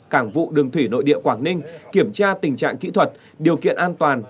cảng vụ đường thủy nội địa quảng ninh kiểm tra tình trạng kỹ thuật điều kiện an toàn